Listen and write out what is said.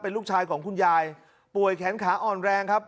ลูกชายของคุณยายป่วยแขนขาอ่อนแรงครับ